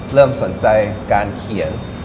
เริ่มสนใจการเขียน